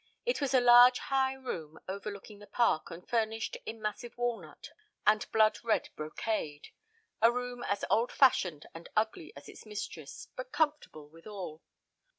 It was a large high room overlooking the park and furnished in massive walnut and blood red brocade: a room as old fashioned and ugly as its mistress but comfortable withal.